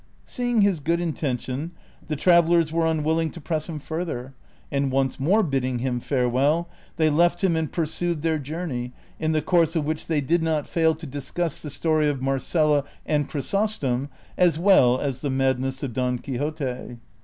Seeing his good intention, the travellers were unwilling to press him further, and once more bidding him farewell, they left him and pursued their journey, in the course of which they did not fail to disciiss the story of Marcela and Chrysostom as well as the madness of Don Quixote.